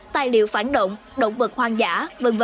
tài liệu phản động động vật hoang dã v v